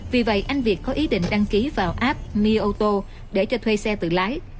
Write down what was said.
vì vậy anh việt có ý định đăng ký vào app mioto để cho thuê xe tự lái